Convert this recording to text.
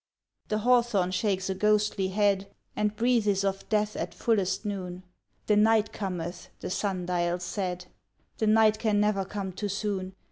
The hawthorn shakes a ghostly head And breathes of death at fullest noon. [i8] Vigils "The Night Cometh," the sun dial said — The night can never come too soon.